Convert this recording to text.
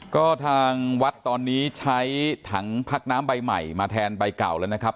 ก็ทางวัดตอนนี้ใช้ถังพักน้ำใบใหม่มาแทนใบเก่าแล้วนะครับ